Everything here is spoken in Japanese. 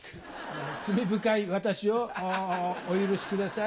罪深い私をお許しください